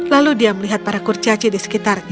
lalu dia melihat para kurcaci di sekitarnya